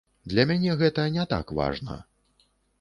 Для мяне гэта не так важна.